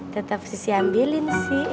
tetap sisi ambilin sih